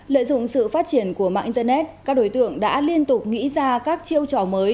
lợi dụng sự phát triển của mạng internet các đối tượng đã liên tục nghĩ ra các chiêu trò mới